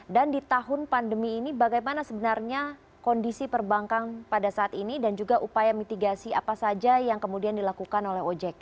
dan di tahun pandemi ini bagaimana sebenarnya kondisi perbankan pada saat ini dan juga upaya mitigasi apa saja yang kemudian dilakukan oleh ojk